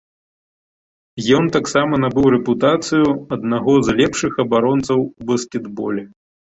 Ён таксама набыў рэпутацыю аднаго з лепшых абаронцаў у баскетболе.